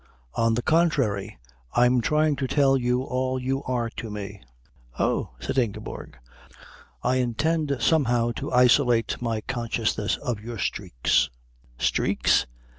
"On the contrary, I'm trying to tell you all you are to me." "Oh," said Ingeborg. "I intend somehow to isolate my consciousness of your streaks " "Streaks?"